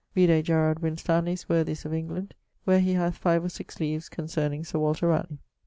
Vide Gerard Winstanley's Worthies of England, where he hath 5 or 6 leaves concerning Sir Walter Ralegh.